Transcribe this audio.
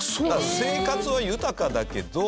生活は豊かだけど。